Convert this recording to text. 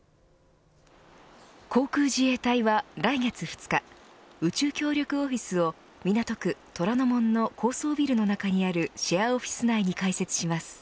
航空自衛隊は来月２日宇宙協力オフィスを港区虎ノ門の高層ビルの中にあるシェアオフィス内に開設します。